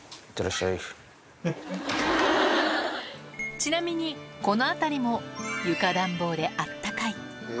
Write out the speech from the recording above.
ちなみに、この辺りも、床暖房であったかい。